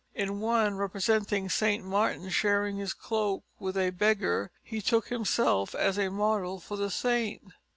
In one, representing St. Martin sharing his cloak with a beggar, he took himself as a model for the saint.